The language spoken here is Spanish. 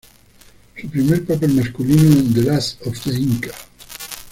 Su primer papel masculino en "The Last of the Inca".